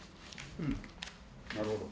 うんなるほど。